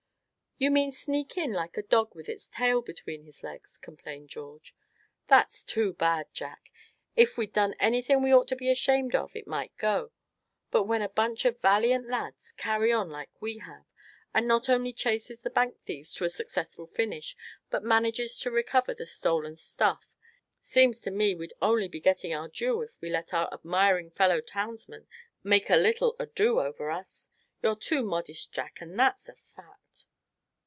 "You mean sneak in like a dog with his tail between his legs?" complained George. "That's too bad, Jack. If we'd done anything we ought to be ashamed of it might go; but when a bunch of valiant lads carry on like we have, and not only chases the bank thieves to a successful finish, but manages to recover the stolen stuff, seems to me we'd only be getting our due if we let our admiring fellow townsmen make a little ado over us. You're too modest, Jack, and that's a fact."